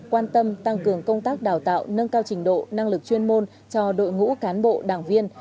quan tâm tăng cường công tác đào tạo nâng cao trình độ năng lực chuyên môn cho đội ngũ cán bộ đảng viên